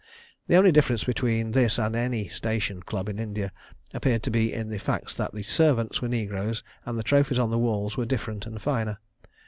The only difference between this and any "station" club in India appeared to be in the facts that the servants were negroes and the trophies on the walls were different and finer.